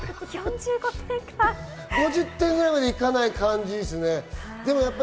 ５０点までいかない感じですね。